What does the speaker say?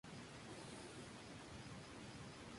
La G viene de su apellido.